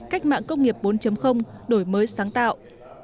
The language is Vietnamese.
cách mạng công nghiệp bốn đổi mới sáng tạo